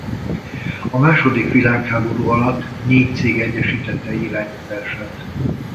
A második világháború alatt a négy cég egyesítette irányítását.